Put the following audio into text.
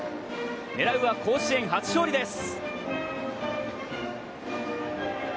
狙うは甲子園初勝利です。